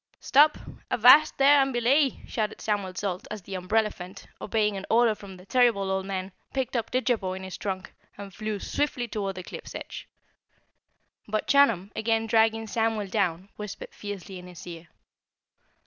"Stop! Stop! Avast there and belay!" shouted Samuel Salt as the umbrellaphant, obeying an order from the terrible Old Man, picked up Didjabo in his trunk and flew swiftly toward the cliff's edge. But Chunum, again dragging Samuel down, whispered fiercely in his ear.